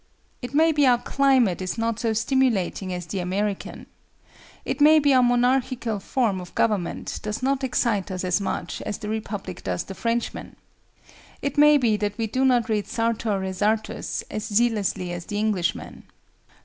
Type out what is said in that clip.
It may be our climate is not so stimulating as the American. It may be our monarchical form of government does not excite us as much as the Republic does the Frenchman. It may be that we do not read Sartor Resartus as zealously as the Englishman.